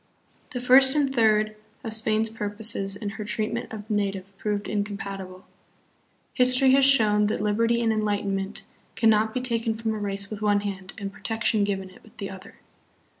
The first and third of Spain's purposes in her treatment of the native proved incompatible. History has shown that liberty and enlightenment can not be taken from a race with one hand and protection given it with the other.